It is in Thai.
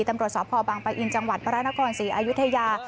ตำรวจสพบังปะอินจังหวัดพระนครศรีอายุทยา